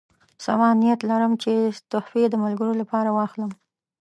سبا نیت لرم چې تحفې د ملګرو لپاره واخلم.